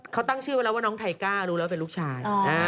เขาตั้งชื่อไว้แล้วว่าน้องไทก้ารู้แล้วเป็นลูกชาย